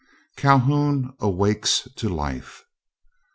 CALHOUN AWAKES TO LIFE.